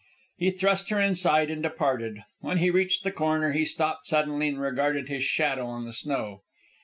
He thrust her inside and departed. When he reached the corner he stopped suddenly and regarded his shadow on the snow.